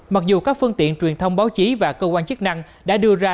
mặc dù các phương tiện truyền thông báo chí và cơ quan chức năng đã đưa ra